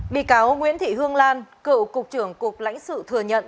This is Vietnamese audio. bị cáo nguyễn thị hương lan cựu cục trưởng cục lãnh sự thừa nhận